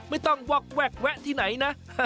ไม่ต้องวอกแวกแวะที่ไหนนะ